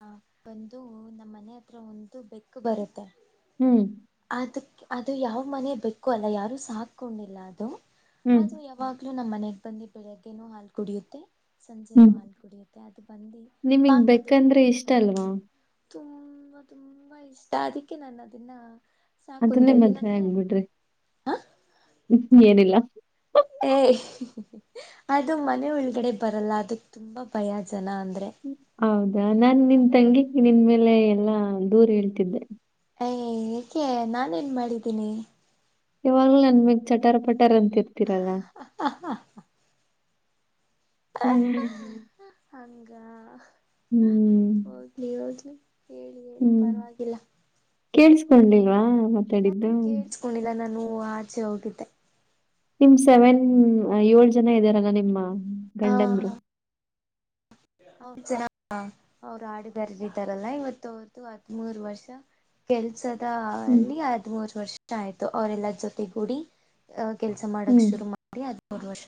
ಹ ಬಂದು ನಮ್ಮ್ ಮನೆ ಹತ್ರ ಒಂದು ಬೆಕ್ ಬರುತ್ತೆ ಹ್ಮ್, ಅದು ಅದು ಅದು ಯಾವ ಮನೆ ಬೇಕು ಅಲ್ಲ ಯಾರು ಸಾಕಕೊಂಡಿಲ್ಲ ಅದು ಹ್ಮ್, ಅದು ಯಾವಾಗ್ಲೂ ನಮ್ಮ್ ಮನೆಗ್ ಬಂದಿ ಬೆಳಗ್ಗೆನ ಹಾಲು ಕುಡಿಯುತ್ತೆ ಸಂಜೆನ ಹ್ಮ್. ಹಾಲ್ ಕುಡಿಯತ್ತೆ ಅದ ಬಂದಿಲ ನಿಮಿಗ್ ಬೆಕ್ಕಂದ್ರೆ ಇಷ್ಟ ಅಲ್ವಾ ತುಂಬಾ ತುಂಬಾ ಇಷ್ಟ ಅದಕ್ಕೆ ನಾನು ಅದನ್ನ ಅದನ್ನೇ ಸಾಕುಂತ ಇದ್ದೀನಿ ಮದ್ವೆ ಆದ್ರೆ ಹಂಗ ಬಿಿಡ್ರಿ ಹ ಏನಿಲ್ಲ ಏ ಅದು ಮನೆ ಒಳಗಡೆ ಬರಲ್ಲ ಅದಕ್ ತುಂಬಾ ಭಯ ಜನ ಅಂದ್ರೆ ಹೌದು ನಾನ್ ನಿನ್ ತಂಗಿಕ ನಿನ್ ಮೇಲೆ ಎಲ್ಲಾ ಹಾ ದೂರ ಹೇಳ್ತಿದ್ದೆ ಏ ಏಕೆ ನಾನ ನ್ ಮಾಡಿದ್ದೀನಿ ಯವಾಗ ನನ್ಮಗ್ ಚಟ್ಟಾರ ಪಟ್ಟ ಾರ ಅಂತ ಇರ್ತೀರಲ್ಲ ಹ್ಮ್ ಹಂಗ ಹೌದಲಿ ಹೌದಲಿ ಹ್ಮ್ ಕೇಳಸ್ ಸಂದಿಗಳಾ ಮಾತಾಡಿದ್ದು ಓ ಆಚೆಹೋಗೆದೆ ನಿ ಸೆವೆನ್ ಏಳ್ ಜನ ಇದ್ದಾರಲ್ಲ ನಿಮ್ಮ ಹ ಗಂಡಂದರು ಅವ್ರು ಆಡುಗಾರಾರಲ್ಲಾ ಇವತ್ತು ಅವ್ರ್ದು ಹದ್ಮೂರ್ ವರ್ಷ ಕೆಲ್ಸದ ಹ್ಮ್, ಅಲ್ಲಿ ಆದ್ ಮೂರು ವರ್ಷ ಷ ಆಯ್ತು ಅವರೆಲ್ಲ ಜೊತೆ ಗುಡಿ ಕೆಲಸ ಮಾಡಕ್ ಹ್ಮ್, ಶುರು ಮಾಡಿ ಅ ಅವ ವಷ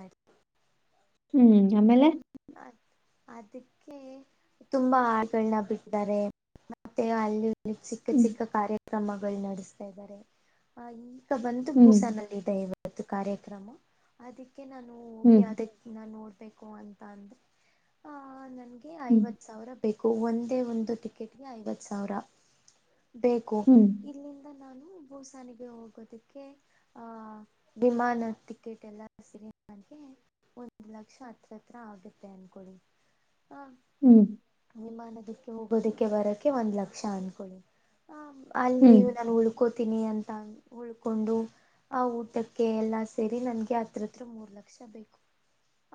ಆಯ್ತು ಹ್ಮ್ ಆಮೇಲೆ ಅದಕ್ಕೆ ತುಂಬಾ ಆಡುಗಳನ್ನ ಬಿಟ್ಟಾರೆ ಮತ್ತೆ ಅಲ್ಲಿ ಚಿಕ್ಕ ಹ್ಮ್, ಚಿಕ್ಕ ಕಾರ್ಯಕ್ರಮಗಳು ನಡೆಸ್ತಾ ಇದ್ದಾರೆ ಆ ಈ ಈಗ ಬಂದು ಹ್ಮ್, ಬೂಸಾನಲ್ಲಿದೆ ಇವ ಇತ್ತು ಕಾರ್ಯಕ್ರಮ ಅದಕ್ಕೆ ಅಕೆ ನಾನು ಹೋಗಿ ಹ್ಮ್, ಅದಕ್ಕೆ ನಾು ನೋಡ್ ಅಂತ ಅಂದ್ರೆ ಆ ನನ್ ಹ್ಮ್, ಐವತ್ ಸಾವಿರ ಬೇಕು ಒಂದೇ ಒಂದು ಟಿಕೆಟ್ಗೆ ಐವತ್ತು ಸಾವಿರ ಬೇಕು ಹ್ಮ್, ಇಲ್ಲಿಂದ ನಾನು ಭೂಸಾನಿಗೆ ಹೋಗೋದಕ್ಕೆ ಆಹ ವಿಮಾನ ಟಿಕೆಟ್ ಎಲ್ಲ ಸರಿ ನನಗೆ ಒಂದುಲಕ್ಷ ಹತ್ತು ಹತ್ರತ್ರ ಆಗುತ್ತೆ ಅನ್ಕೊಳ್ಳಿ ಹಾ ಹ್ಮ್, ವಿಮಾನದದ ಹೋಗೋದಕ್ಕೆ ಬರಕ್ಕೆೆ ಒಂದ್ ಲಕ್ಷ ಅನ್ಕೊಳ್ಳಿ ಹ ಅಲ್ಲಿ ಹ್ಮ್. ನಾನು ಉಳ್ಕೋತೀನಿ ಅಂತ ಉಳ್ಕೊಂಡು ಆ ಊಟಕ್ಕೆ ಎಲ್ಲಾ ಸೇರಿ ನನ್ಗೆ ಹತ್ರತ್ರ ಮೂರ್ ಲಕ್ಷ ಬೇಕು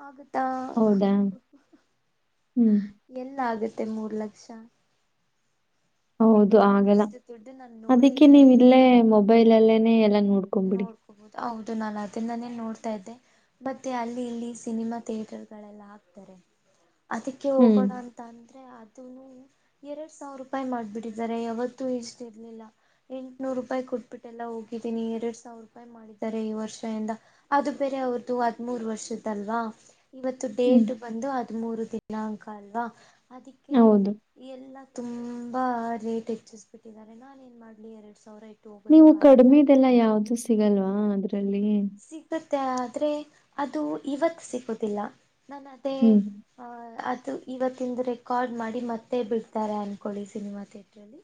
ಆ ಹೌದಾ ಹ್ಮ್ ತ್ತ ಮೂರ್ ಲಕ್ಷ್ಯ ಹೌದು ಆಗಲ್ಲ ದುಡ್ಡು ನಾನು ನೋಡೇ ಅದಕ್ಕೆ ನೀವು ಇಲ್ಲೇ ಮೊಬೈಲ್ ಅಲ್ಲೇನೆ ನೋಡ್ಕೋಬೋದು ಹೌದು ನಾನು ಅದನ್ನಾನೇ ನೋಡ್ತಾ ಇದ್ದೆ ಮತ್ತೆ ಅಲ್ಲಿ ಇಲ್ಲಿ ಸಿನಿಮಾ ಥಿಯೇಟರ್ ಗಳೆಲ್ಲ ಹಕ್ತಾರೆ ಅದಕ್ಕೆ ಹ್ಮ್, ಹೋಗೋಣ ಅಂತ ಅಂದ ಆದ್ರೆ ಅದು ಎರಡ್ ಸಾವಿರ ರೂಪಾಯಿ ಮಾಡ್ಬಿಟ್ಟಿದ್ದಾರೆ ಯಾವತ್ತುೂ ಇಷ್ಟ ಇರ್ಲಿಲ್ಲ ಎಂಟುನೂರು ರೂಪಾಯಿ ಕೊಟ್ಬಿಟ್ಟೆಲ್ಲ ಹೋಗಿದ್ದೀನಿ ಎರಡು ಸಾವಿರ ರೂಪಾಯಿ ಮಾಡಿದ್ದಾರೆ ಈ ವರ್ಷ ಎಂದ ಅದು ಬೇರೆ ಅವ್ರ್ದು ಹದ್ಮೂರ್ ವರ್ಷದಲ್ವಾ ಇವತ್ತು ಹ್ಮ್. ಡೇಟ್ ಬಂದುದು ಹ ಮೂೂರು ದಿನಾಂಕ ಅಲ್ವಾ ಅದಕ್ಕೆ ಹೌದು. ಎಲ್ಲ ತುಂಬ ಬಾ ರೇಟ್ ಹೆಚ್ಚಿಸ್ಬ ಬಿಟ್ಟಿದ್ದಾರೆ ನಾನನ್ ಏನ್ ಮಾಡ್ಲಿ ಎರಡ್ ಸಾವಿರ ಇಟ್ಟು ನೀವು ಕಡಿಮೆ ಹೋಗೋದಕ್ಕಾಗುತ್ತಾ ಇಲ್ಲಾ ಯಾವ್ದ ಸಿಗಲ್ವಾ ಅದು ಚಲ್ಲಿ ಸಿಗುತ್ತೆ ಆದರೆ ಅದು ಇವತ್ತು ಸಿಗೋದಿಲ್ಲ ನ ನ ಹ್ಮ್, ಅ ಇವತ್ತಂದು ರೆಕಾರ್ಡ್ ಮಾಡಿ ಮತ್ತೆ ಬಿಡ್ತಾರೆ ಅನ್ಕೊಳ್ಳಿ ಸಿನಿಮಾ ಥಿಯೇಟ್ರಲ್ಲಿ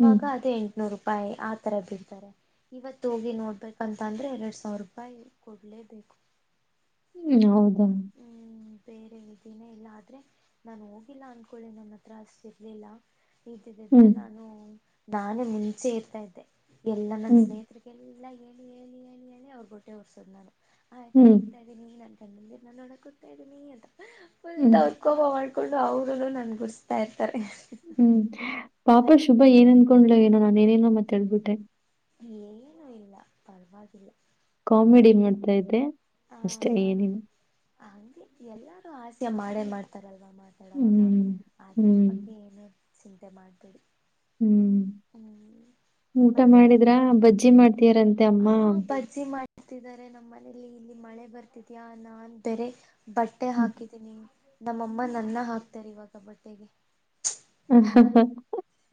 ಹ್ಮ್, ಅದ ಎಂಟುನೂರುಾಯಿ ಪ್ಪಾಯಿ ಆ ತರ ಬಿಡ್ತಾರೆ ಇವತ್ ಹೋಗಿ ನೋಡ್ಬೇಕಂತ ಅಂದ್ರೆ ಎರಡ್ ಸರಪಾಯ ಕೊೂಡ್ಲ ದು ಹ್ಮ್ ಹೌದು ದ ಬೇರೆ ದಿನ ಇಲ್ಲ ಆದ್ರೆ ನಾನು ಹೋಗಿಲ್ಲ ಅನ್ಕೊಳ್ಳಿ ನನ್ನ ಹತ್ರ ಅಷ್ಟ ಇರ್ಲಿಲ್ಲ ಇದ್ದಿದ್ದಿದ್ರೆ ಹ್ಮ್, ನಾನು ನಾನು ಮುಂಚೆ ಇರ್ತಾ ಇದ್ದೆ ಎಲ್ಲ ನನ್ನ ಹ್ಮ್, ಸ್ನೇಹಿತರಿಗೆ ಎಲ್ಲ ಏ ಏನ ಅವ್ರ ಬೊಟ್ಟೆ ಹೊರ್ಸದ್ ನಾನು ಆ್ ತರ ಹ್ಮ್, ಹೋಗ್ತಾ ಇದ್ದೀನಿ ನ ಅಗೆ ನನ್ನೊಡ ಕುತಡ ನೀ ಅದ ುಲ್ಲ ಹ್ಮ್, ಉತ್ಕ ಹವ ಕೊಂಡು ಅವರುೂ ನನ್ ಗುಸ್ತಾ ಇತಾರೆ ಹ್ಮ್ ಪಾಪ ಶುಭ ಏನಂತ ಕಕ್ ನೋ ನಾನನ್ ನ ಮತ್ತ ಹೇಳ್ಬಿಟ್ಟೆ ಏನುೂ ಇಲ್ಲ ಪರವಾಗಿಲ್ಲ ಕಾಮಿಡಿ ಮಾಡ್ತಾ ಇದತೆ ಅಷ್ಟೇ ಏನನು ಹಗೆ ಎಲ್ಲಾರು ಆಸೆ ಮಾಡೇ ಮಾಡ್ತಾರಲ್ಲ ಮಾತಾಡವಾಗ ಹ್ಮ್, ಅದ್ರ ಹ್ಮ್, ಬಗ್ಗೆ ಏನು ಚಿಂತೆ ಮಾಡ್ಬೇಡಿ ಹ್ಮ್ ಹ್ಮ್ ಊಟ ಮಾಡಿದ್ರ ಬಜ್ಜಿ ಮಾಡ್ತಯಾರಂತೆ ಅಮ್ಮ ಆ ಬಜ್ಜಿ ಮಾಡ್ತಿದ್ದಾರೆ ನಮ್ಮ ಮನೇಲಿ ಇಲ್ಲಿ ಮಳೆ ಬರ್ತಿದ್ಯಾ ನ ಅಂದರೆ ಬಟ್ಟೆ ಹಾಕಿದ್ದೀನಿ ನಮ್ಮಮ್ಮ ನನ್ನ ಹಾಕ್ತಾರೆ ಇವಾಗ ಬಟ್ಟೆಗೆ ಹ ಹಾ ಹಾ [inaudible]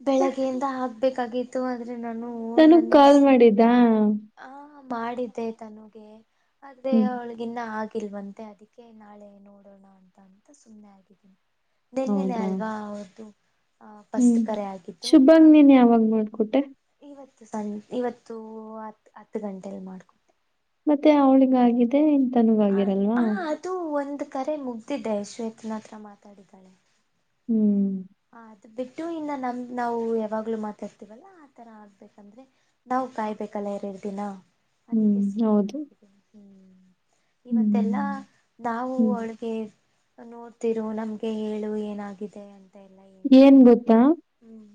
ಬೆಳಗ್ಗೆಯಿಂದ ಆಗ್ ಬೇಕಾಗಿತ್ತು ಆದ್ ತನುಗ್ ಕಾಲ್ ಮಾಡಿದ್ದ ಹ ಮಾಡಿದ್ದೆ ತನುಗೆ ಅದೇ ಹ್ಮ್ ಅವಳಗಿನ್ನ ಹಾಗೆ ಇಲ್ವಂತೆ ಅದಕ್ಕೆ ನಾಳೆ ನೋಡೋಣ ಅಂತ ಅಂತ ಸುಮ್ಮ್ನೆ ಆಗಿದ್ದೀನಿ ನಿನ್ನಿನೇ ಹೌದಾ ಅಲ್ವಾ ಹೌದು ಹ್ಮ್ ಶುಭಂಗ್ ನೀನ್ ಯಾವಾಗ್ ಮಾಡ್ಕೊಟ್ಟೆ ಸಣ್ ಇವತ್ತು ಹತ್ ಗಂಟೆಲ್ ಮಾಡ್ಕೊಟ್ಟೆ ಮತ್ತೆ ಅವಳಿಗ್ ಆಗಿದೆ ಹ ಹ ಅದು ಒಂದು ಕರೆ ಮುಗ್ದಿದ್ದೆ ಶ್ವೇತನತ್ರ ಮಾತಾಡಿದ್ದಾಳೆ ಹ್ಮ್ ಹ ಅದು ಬಿಟ್ಟು ಇನ್ನ ನಮ್ ನಾವು ಯಾವಾಗ್ಲೂ ಮಾತಾಡ್ತಿವಲ್ಲ ಆತರ ಆಗ್ಬೇಕಂದ್ರೆ ನಾವ್ ಕಾಯಿಬೇಕಲ್ಲ ಎರಡ್ ದಿನ ಹ್ಮ್ ಅದಿಕ್ಕೆ ಸುಮ್ನೆ ಹೌದು ಆಗಿದೀನಿ ಇವತ್ತೆಲ್ಲಾ ಹ್ಮ್ ನಾವು ಹ್ಮ್ ಅವಳಿಗೆ ನೋಡ್ತಿರು ನಮ್ಗೆ ಹೇಳು ಏನಾಗಿದೆ ಅಂತ ಅಂತ ಎಲ್ಲ ಏನ್ ಏಳಿದ್ವಿ ಹ್ಮ್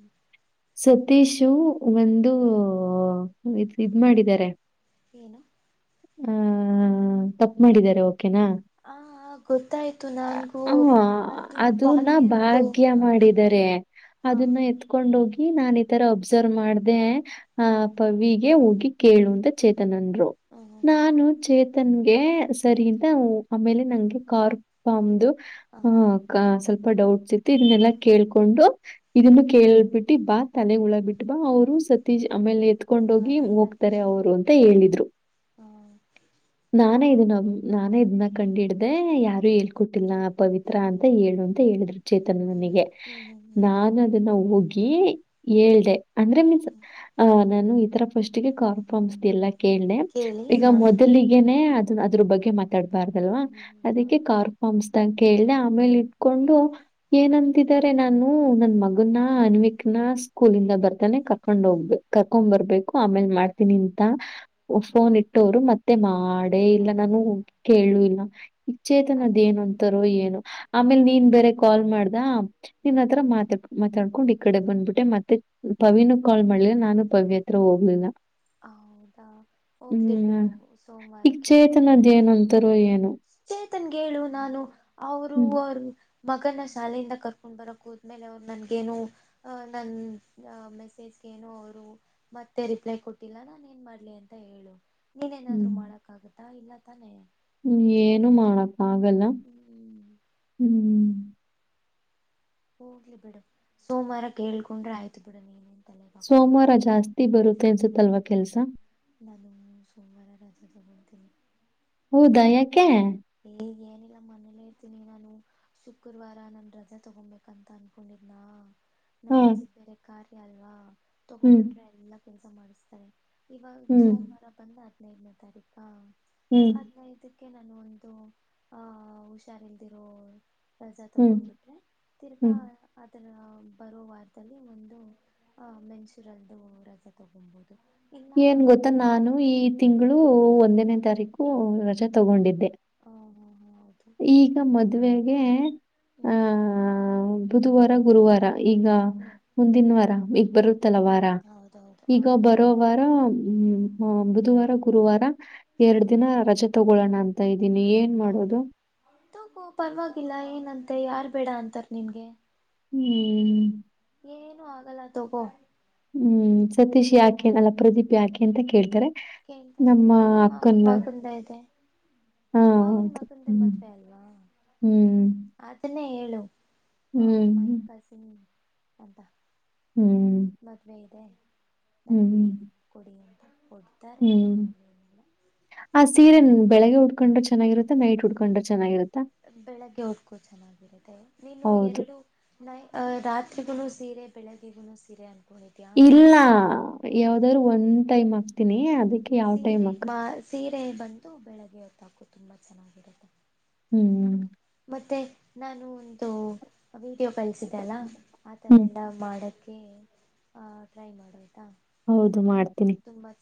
ಸತೀಷು ಹ್ಮ್ ಒಂದು ಒಂದ್ ಇದ್ ಮಾಡಿದ್ದಾರೆ ಏನು ಹ ತಪ್ಪು ಮಾಡಿದ್ದಾರೆ ಹಾಂ ಗೊತ್ ಹ ಅದುನ್ನ ಭಾಗ್ಯಂದು ಭಾಗ್ಯ ಹ ಹಾ ಮಾಡಿದರೆ ಹಾ ಅದುನ್ನ ಹಾ ಎತ್ಕೊಂಡ್ ಹೋಗಿ ಈ ನಾನ್ ಈ ತರ ಅಬ್ಸರ್ವ್ ಮಾಡ್ದೆ ಹಾ ಪವಿ ಹೋಗಿ ಕೇಳುಅಂತ ಚೇತ್ ಚೇತನ್ ಅಂದ್ರು ಹಾ ಹಾ ನಾನು ಚೇತ್ ತನ್ಗೆ ಸರಿ ಹ್ಮ್ ಅಂತ ಆಮೇಲೆ ನಂಗೆ ಕಾರು ಪಮ್ದು ಹ ಹುಂ ಅಕ್ಕ ಸ್ವಲ್ಪ ಸ್ವಲ್ಪ ಡೌಟ್ಸ್ ಇತ್ ಇದನ್ನೆಲ್ಲಾ ಕೇಳ್ಕೊಂಡು ಹ್ಮ್ ಇದನ್ನು ಕೇಳ್ಬಿಟ್ಟು ಬಾ ತಲೆಗೆ ಹುಳ ಬಿಟ್ ಬಾ ಅವರು ಸತೀ ಆಮೇಲೆ ಹ ತ್ಕೊಂಡೋಗಿ ಹೋಗತಾರೆ ಸತೀಶ್ಗೆ ಅವರು ಅಂತ ಹೇಳ್ತಾರೆ ಹೇಳಿದ್ರು ಹ [inaudible] ನಾನ ಇದ ನಾನೇ ಇದನ್ನ ಕಂಡ ಹಿಡ್ದ ಯಾರು ಹ್ಮ್ [unintelligible] ಪವಿತ್ರ ಅಂತ ಹ್ಮ್ ಹೇಳು ಅಂತ ಹೇಳಿದ್ರು ಚೇತನ್ ಹ್ಮ್ ನಿನಿಗೆ ಹ್ಮ್ ಹ್ಮ್ ಹ್ಮ್ ನಾನು ಅದನ್ನ ನಾವು ಹೋಗಿ ಹ್ಮ್ ಹೇಳ್ದೆ ಅಂದ್ರೆ ನಿನ್ ಹ್ಮ್ [inaudible] ನಾನು ಫಸ್ಟ್ಗೆ ಕಾರ್ಫ್ಸ್ದೆಲ್ಲ ಕೇಳ್ದೆ ಕೇಳಿ ಈಗ ಹಾ ಮೊದಲಿಗೆನೆ ಆದ್ರೂ ಬಗ್ಗೆ ಅದು ಮಾತಾಡಬಾರ್ದಲ್ವಾ ಹ್ಮ್ ಹ್ಮ್ ಹ್ಮ್ ಅದಕ್ಕೆ ಹೌದು ಕಾರ್ [unintelligible] ಕೇಳ್ದೆ ಆಮೇಲೆ ಇಟ್ಕೊಂಡು ಹ್ಮ್ ಏನಂತಿದ್ದಾರೆ ನಾನು ನನ್ ಮಗನ್ನ ಅನ್ವಿಕ್ನ ಸ್ಕೂಲಿಂದ ಬರ್ತ ಕರ್ಕೊಂಡ್ ಹ ಹೋಗ್ಬೇಕ ಕರ್ಕೊಂಡ್ ಬರ್ಬೇಕು ಆಮೇಲ್ ಹ್ಮ್ ಮಾಡ್ತೀನಿ ಅಂತ ಹ್ಮ್ ಫೋನ್ ಇಟ್ಟವ್ರು ಮತ್ತೆ [unintelligible] ಮಾಡೇ ಇಲ್ಲ ನಾನು ಕೇಳು ಇಲ್ಲ ವಿಚೇತನದ ಏನ್ ಅಯ್ಯಯ್ಯೋ ಅಂತಾರೋ ಏನೋ ಆಮೇಲ್ ನೀನ್ ಬೇರೆ ಕಾಲ್ ಮಾಡ್ದ ಹ್ಮ್ ನಿನ್ ಹ್ಮ್ ಆತ್ರರ ಮಾತಾ ಮಾತಾಡ ಕೊಂಡ್ ಈ ಕಡೆ ಬಂದ್ಬಿಟ್ಟೆ ಮತ್ತೆ ಪವಿನು ಕಾಲ್ ಮಾಡ್ಲಿಲ್ಲ ನಾನು ಪವಿ ಹತ್ರ ಹೋಗ್ಲಿಲ್ಲ ಹೌದಾ ಹೋಗ್ದಿ ಹ್ಮ್ ಬಿಡುು ಸೋಮವಾರ ಈಗ ಕೇಳ್ಕೊಂಡ್ರ ಚೇತನದ್ ಆಯ್ತು ಏನ್ ಅಂತಾರೋ ಏನೋ [inaudible] ಚೇತನ್ಗೆ ಹೇಳು ನಾನು ಅವ್ರು ಹ್ಮ್ ಮಗನ್ನ ಶಾಲೆಯಿಂದ ಕರ್ಕೊಂಡು ಬರಕೋದ್ಮೇಲೆ ಅವ್ರು ನನ್ಗೇನೋ ನನ್ನ [inaudible] ಮೆಸೇಜ್ಗೆ ಏನೋ ಅವರು ಮತ್ತೆ ರಿಪ್ಲೈ ಕೊಟ್ಟ ಇಲ್ಲ ನಾನ ಏನ್ ಮಾಡ್ಲಿ ಅಂತ ಹೇಳು ನೀನೇನಾದ್ರು ಹ್ಮ್ ಮಾಡಕ್ಕಾಗುತ್ತೆ ಇಲ್ಲ ತಾನೆ ಹ್ಮ್ ಏನು ಮಾಡ ಹಾಗಲ್ಲ ಹ್ಮ್ [inaudible] ಹ್ಮ್ ಹೋಗ್ಲಿ ಬಿಡು ಸೋಮವಾರ ಕೇಳ್ಕೊಂಡ್ರೆ ಆಯ್ತು ಬಿಡು ನೀನ್ ಏನ್ ತಲೆ ಸೋಮವಾರ ಜಾಸ್ತಿ ಬರುತ್ತೆ ಅನ್ಸುತ್ತಲ್ವ ಕೆಲ್ಸ ನಾನು ಸೋಮವಾರ ರಜಾ ತಗೊತ್ತಿನಿ [unintelligible] ಹೇಗ ಎನಕ್ ಇಲ್ಲ ಮನೇಲ್ಲೇ ಇರ್ತೀನಿ ನಾನು ಶುಕ್ರವಾರ ನನ್ ರಜೆ ತಗೊಬೇಕಂತ ಅನ್ಕೊಂಡಿದ್ನಾ ನಮ್ಮ ಹಾ ಮನಸಿಗ ಬೇರೆ ಕಾರ್ ಅಲ್ವಾ ತಗೊಂಡ್ ಹ್ಮ್ ಬಿಟ್ಟರೆ ಎಲ್ಲ ಕೆಲಸ ಮಾಡಸ್ತಾರೆ ಇವಾಗ ಹ್ಮ್ ಸೋಮವಾರ ಬಂದ ಹಿನ್ ಐದನೇ ತಾರಿಕಾ ಹ್ಮ್ ಅದ ಇದ ಕೆ ನಾನು ಒ ದು ಹ ಹುಷಾರ್ ಇಲ್ದಿರೋ ರಜಾ ಹ್ಮ್ ಹ್ಮ್ ತಗೊಂಡ್ಬಿಟ್ರೆ ತಿರ್ಗಾ ಹ್ಮ್ ಅದ ರ ಬರೋ ವಾರದಲ್ಲಿ ಒಂದು ಮೆನ್ಸ್ಚುರಲ್ದು ರಜಾ ತಗೊಂಬೋದು ಏನ್ ಗೊತ್ತ ನಾನು ಈ ತಿಂಗಳು ಹ್ಮ್ ಒಂದನೇ ತಾರೀಕು ರಜಾ ಹ್ಮ್ ತಗೊಂಡಿದ್ದೆ ಹ ಹಾ ಹಾ ಹೌದು ಈಗ ಮದ್ವೆೆಗೆ ಹ್ಮ್ ಬುಧುವಾರ ಗುರುವಾರ ಈಗ ಹ್ಮ್ ಮುಂದಿನ ವಾರ ಈಗ ಬರುತ್ತೆ ತ್ತಲವಾರ ಹೌದೌದು ಹ ಈಗ ಬರೋ ಹ್ಮ ಹ ಬುಧವಾರ ಗುರುವಾರ ಎರಡ ಹ್ಮ್ ದಿನ ರಜೇ ತೊಗೊಳ್ಳೋಣ ಅಂತ ಇದ್ದ ಹೌದು ತಗೋ ಪರವಾಗಿಲ್ಲ ಏನಂತ ತ್ತೆ ಯಾರ್ ಬೇಡ ಅಂತಾರ ನಿನ್ಗೆ ಹ್ಮ್ ಏನು ಆಗಲ್ಲ ತಗೋ ಹ್ಮ್ ಸತೀಶ್ ಯಾಕೆಗಲ್ಲ ಪ್ರದೀಪ್ ಯಾಕೆ ಅಂತ ಕೇಳ್ತಾರೆ ಕೇಳ್ಧಷ್ಟು ನಮ್ಮ ಮಾವನ ಅಕ್ಕನ್ ಮ ಮಗಂದ ಇದೆ ಹಾ ಮಾವನ್ ಹೌದು. ಮಗಂದೆ ಹ್ಮ್ ಮದ್ವೆ ಅಲ್ವಾ ಹ್ಮ್ ಅದನ್ನೇ ಹೇಳ ಹೇಳು ಹ ಮೈ ಹ್ಮ್ ಕಸಿನ್ ಎಂತ ಹ್ಮ್ ಮದ್ವೇ ಇದೆ ನನ್ಗ ಹ್ಮ್. ಲಿವ್ ಕೊಡಿ ಕೊಡ್ತಾರೆ ಹ್ಮ್. ಆ ಸೀರೆ ಬೆಳಗ್ಗೆ ಉಟ್ಕೊಂಡ್ರೆ ಚೆನ್ನಾಗಿರುತ್ತ ನೈಟ್ ಉಟ್ಕೊಂಡ್ರೆ ಚೆನ್ನಾಗಿರುತ್ತ ಬೆಳಗ್ಗೆ ಉಟ್ಕೋ ಚೆನ್ನಾಗಿರುತ್ತೆ ನೀನು ಹೌದು. ಎರಡು [unintelligible] ರಾತ್ರಿಗೂನು ಸೀರೆ ಬೆಳಗ್ಗೆಗೂನು ಸೀರೆ ಅಂತ ಇಲ್ಲ ಯಾವ್ದಾದ್ರು ಒಂದ್ ಟೈಮ್ ಆಗ್ ತಿನಿ ಅದಕ್ ಸೀರೆ ಬಾ ಸೀರೆ ಸೀರೆ ಬಂದು ಬೆಳಗ್ಗೆ ಹೊತ್ತ್ ಹಾಕ್ಕೋ ತುಂಬಾ ಚೆನ್ನಾಗಿರುತ್ತೆ. ಹ್ಮ್ ಮತ್ತೆ ನಾನು ಒಂದು ವೀಡಿಯೋ ಕಳ್ಸಿದೆ ಅಲ್ಲ ಆಥರ ಹ್ಮ್. ಎಲ್ಲ ಮಾಡಕೆ ಕೆ ಆ ಟ್ರೈ ಮಾಡೋದು ಹೌದು ಮಾಡ್ತೀನಿ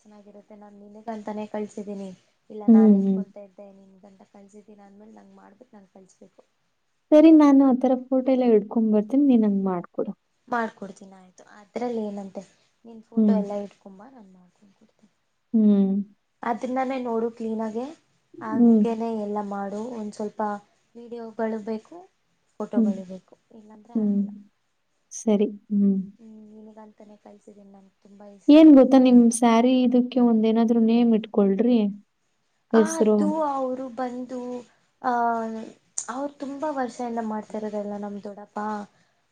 ಚೆನ್ನಾಗಿರುತ್ತೆ ನಾನು ನಿನಿಗ್ ಅಂತಾನೇ ಕಳ್ಸಿದ್ದೀನಿ ಇಲ್ಲ ನಾನ್ ಹ್ಮ್, ಹ್ಮ್. ಇಟ್ಕೊಂತಾ ಇದ್ದೆ ದಂಟ ಕಳ್ಸಿದ್ದೀನ್ ಅಂದ್ಮೇಲೆ ನಂಗ್ ಮಾಡ್ಬಿಟ್ ನಂಗ್ ಕಳ್ಸ್ ಬೇಕು ಸರಿ ನಾನು ಆತರ ಫೋಟೋ ಎಲ್ಲ ಇಡ್ಕೊಂಡ್ ಬರ್ತೀನಿ ನೀನ್ ನಂಗ್ ಮಾಡ್ಕೊಡು ಮಾಡ್ಕೊಡ್ತೀನ್ ಆಯ್ತು ಅದ್ರಲ್ಲೇನಂತೆ ನೀನ್ ಫೋಟೋ ಹ್ಮ್. ಎಲ್ಲ ಹಿಡ್ಕೋಮ್ ಬಾ ನಾನ್ ತಂದ್ ಕೊಡ್ತೀನಿ ಹ್ಮ್ ಅದನ್ನಾನೇ ನೋಡು ಕ್ಲೀನಾಗೆ ಹ್ಮ್. ಹಂಗೇನೆ ಎಲ್ಲ ಮಾಡ್ ಒಂದ್ ಸ್ವಲ್ಪ ವಿಡಿಯೋಗಳು ಬೇಕು ಹ್ಮ್. ಫೋಟೋಗಳು ಬೇಕು ಇಲ್ಲಾಂದ್ರೆ ಹ್ಮ್. ಆಗಲ್ಲ ಸರಿ ಹ್ಮ್ ನಿನಿಗಂತ್ ತನೇ ಕಳ್ಸಿದ್ದೀನಿ ನಮ್ ಏನ್ ಗೊತ್ತಾ ನಿಮ್ ಸ್ಯಾರಿ ಇದಕ್ಕೆ ಒಂದೇನನ್ ದ್ರೂ ನೇಮ್ ಇಟ್ಕೊಳ್ರಿ ಅ ಹೆಸ್ರು. ಅದು ಅವರು ಬಂದು ಆ ಅವ್ರು ತುಂಬಾ ವರ್ಷ ಇಂದ ಮಾಡ್ತಿರೋದಲ್ಲ ನಮ್ ದೊಡ್ಡಪ್ಪಾ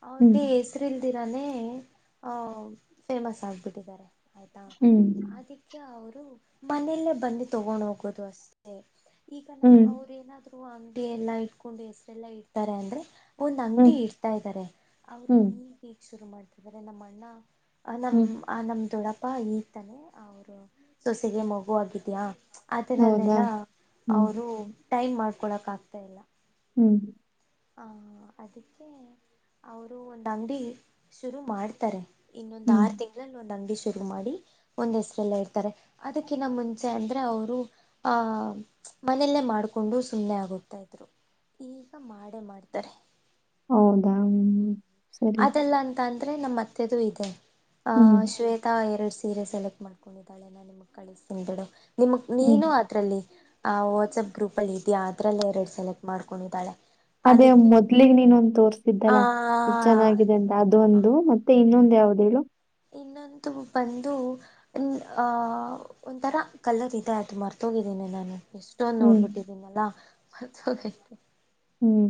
ಅವ್ರ್ ಹ್ಮ್. ಬಿ ಹೆಸರಿಲ್ ದಿರಾನೇ ಆಹ್ ಫೇಮಸ್ ಆಗ್ಬಿಟ್ಟಿದ್ದಾರೆ ಆಯ್ತಾ ಹ್ಮ್. ಅದಕ್ಕೆ ಅವರು ಮನೆಯಲ್ಲೇ ಬಂದೇ ತಗೊಂಡ್ ಹೋಗ ಗದುುವಸ್ೆ [inaudible] ಈಗ ನಾ ಹ್ಮ್. ಅವ್ರ ಏನಾದ್ರು ಅಂಗಡಿ ಎಲ್ಲಾ ಇಟ್ಕೊಂಡು ಹೆಸರೆಲ್ಲಾ ಇಡ್ತಾರೆ ಅಂದ್ರೆ ಒಂದ್ ಹ್ಮ್. ಅಂಗಡಿ ಹ್ಮ್. ಇಡ್ತಾ ಇದ್ದಾರೆ ಅವರು ಹ್ಮ್. ಈಗ ಈಗ್ ಶುರು ಮಾಡಾರೆ ಇದರೆ ನಮ್ಮಣ್ಣ ಅ ನಮ್ ಹ್ಮ್ ಆ ನಮ್ದೊಡ ಪ್ಪಾ ಈತಾನೆ ಅವರು ಸೊಸೆಗೆ ಮಗುವ ಆಗಿದ್ಯಾ ಆ ಹೌದಾ? ದರಲ್ಲೆಲ್ಲ ಹ್ಮ್. ಅವರು ಟೈಮ್ ಮಾಡ್ಕೊಳಕ್ ಆಗ್ತಾ ಇಲ್ಲ ಹ್ಮ್ ಹ ಅದಕ್ಕೆ ಅವರು ಒಂದು ಅಂಗಡಿ ಶುರು ಮಾಡ್ತಾರೆ ಇನ್ನೊಂದು ಹ್ಮ್. ಆರು ತಿಂಗಳಲ್ಲಿ ನ ನಂಗ ಶುರು ಮಾಡಿ ಒಂದ್ ಹೆಸರೆಲ್ಲ ಇರ್ತಾರೆ ಅದಕ್ಕಿನ್ನ ಮುಂಚೆ ಅಂದ್ರೆ ಅವರು ಆಹ್ ಮನೆಯಲ್ಲೇ ಮಾಡಕೊಂಡು ಸುಮ್ಮ್ನೆ ಆಗೋಗ್ತಾ ಇದ್ರು ಈಗ ಕಡೆ ಮಾಡ್ತಾರೆ ಹೌದಾ ಹ್ಮ್ ಸರಿ. ಅದೆಲ್ಲ ಅಂತ ಅಂತ ಆದ್ರೆ ನಮ್ಮ ಮತ್ತೆದು ಇದೆ ಆ ಹ್ಮ್, ಶ್ವೇತಾ ಎರಡು ಸೀರೆ ಸೆಲೆಕ್ಟ್ ಮಾಡ್ಕೊಂಡಿದ್ದಾಳೆ ನ ನಿಮ್ಮ ಕಳಿಸ ತಿದಾಳು ನಿಮ ಹ್ಮ್. ನೀನು ಅದರಲ್ಲಿ ಆ ವಾಟ್ಸಆಪ್ ಗ್ರೂಪಲ್ಲಿ ಇದೆಯಾ ಅದರಲ್ಲೇ ಎರಡು ಸೆಲೆಕ್ಟ್ ಮಾಡ್ಕೊಂಡಿದ್ದಾಳೆ ಅದೇ ಅದಕ್ಕೆ ಮೊದ್ಲಿಗ್ ನೀನ ಒಂತೋರ್ಸದೆ ಆ ಚೆನ್ನಾಗಿದೆ ಅಂತ ಅದೊಂದ್ ಮೆ ಇ ಇನ್ನೊಂದ ಯಾವ್ದ ಹೇಳು ಇನ್ನೊಂದು ಬಂದು ಒಂಥರ ಕಲರ್ ಇದೆ ಅದು ಮರ್ತೋಗಿದ್ದೀನಿ ನಾನು ಎಷ್ಟೊಂದ ಹ್ಮ್, ನೋಡ್ಬಿಟ್ಟಿದೀನಲ್ಲಾ ಹತ ಹ್ಮ್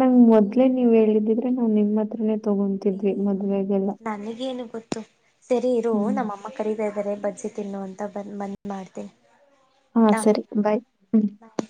ನಂಗ ಮೊದ್ಲೆೇ ನೀವ್ ಹೇಳಿದ್ದೀ ನಾ್ ನಿಮ್ಮ ಹತ್ರ ತಗೊತಿದ್ವಿ ಮದ್ವೆೆಗೆಲ್ಲ ತ್ತು ಸರಿ ಇರು ನಮ್ಮಮ್ಮ ಕರೀದ ಇದಾರೆ ಬದ ಸ ತಿನ್ನು ಅಂತ ಬ ಬಂದ ಮಾಡ್ತ. ಹಾ ಸರಿ ಬಾಯ್ ಹ್ಮ. ಬಾಯ್